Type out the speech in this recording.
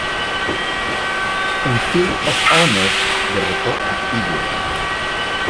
En Field of Honor, derrotó a Evil.